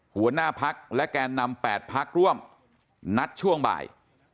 หัวหน้าพักและแกนนำ๘พักร่วมนัดช่วงบ่าย